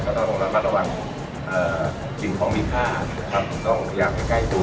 ก็ต้องระวังสิ่งความมีค่านะครับต้องพยายามให้ใกล้ตัว